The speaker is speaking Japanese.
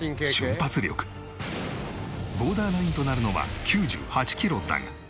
ボーダーラインとなるのは９８キロだが。